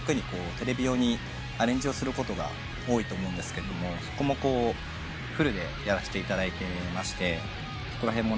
テレビ用にアレンジをすることが多いと思うんですけどそこもフルでやらせていただいてましてそこら辺も。